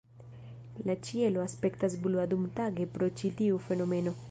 La ĉielo aspektas blua dumtage pro ĉi tiu fenomeno.